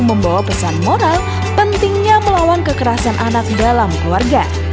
membawa pesan moral pentingnya melawan kekerasan anak dalam keluarga